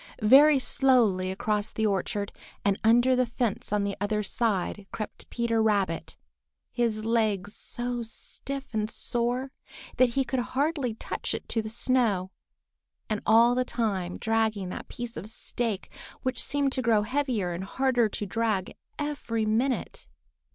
Very slowly across the orchard and under the fence on the other side crept Peter Rabbit, his leg so stiff and sore that he could hardly touch it to the snow, and all the time dragging that piece of stake, which seemed to grow heavier and harder to drag every minute.